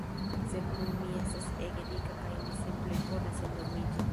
Sed nun mi estas ege dika kaj mi simple volas endormiĝi